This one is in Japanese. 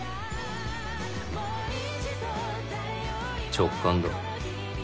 直感だ。